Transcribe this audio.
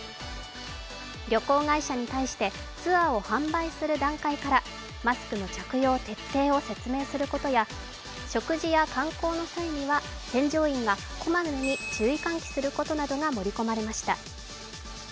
旅行会社に対してツアーを販売する段階からマスクの着用徹底を説明することや食事や観光の際には添乗員が小まめに注意喚起することなどが盛り込まれました。